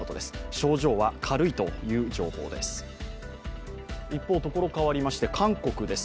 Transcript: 症状は軽いという情報です。